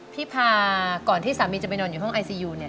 พาก่อนที่สามีจะไปนอนอยู่ห้องไอซียูเนี่ย